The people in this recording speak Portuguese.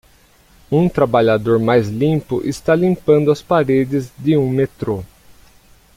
Um trabalhador mais limpo está limpando as paredes de um metrô